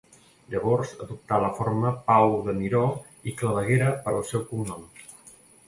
Llavors adoptà la forma Pau de Miró i Claveguera per al seu cognom.